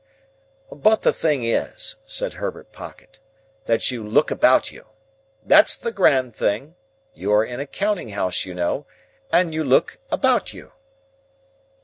"But the thing is," said Herbert Pocket, "that you look about you. That's the grand thing. You are in a counting house, you know, and you look about you."